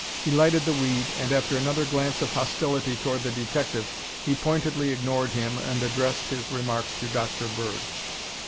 He lighted the weed and after another glance of hostility toward the detective he pointedly ignored him and addressed his remarks to Dr. Bird.